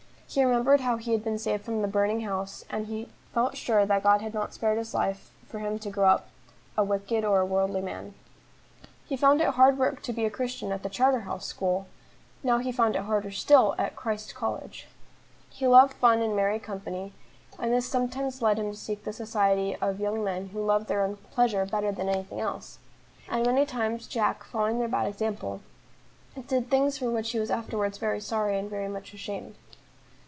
He remembered how he had been saved from the burning house, and he felt sure that God had not spared his life for him to grow up a wicked or a worldly man. He had found it hard work to be a Christian at the Charterhouse School, now he found it harder still at Christ Church College. He loved fun and merry company, and this sometimes led him to seek the society of young men who loved their own pleasure better than any thing else; and many times Jack, following their bad example, did things for which he was afterwards very sorry and very much ashamed.